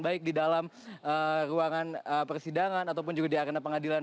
baik di dalam ruangan persidangan ataupun di arena pengadilan negeri curub ini